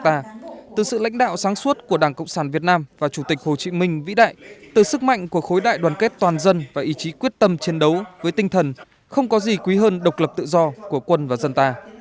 từ sự lãnh đạo sáng suốt của đảng cộng sản việt nam và chủ tịch hồ chí minh vĩ đại từ sức mạnh của khối đại đoàn kết toàn dân và ý chí quyết tâm chiến đấu với tinh thần không có gì quý hơn độc lập tự do của quân và dân ta